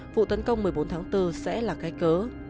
vụ tấn công một mươi bốn tháng bốn sẽ là cái cớ